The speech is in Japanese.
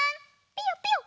ピヨピヨ。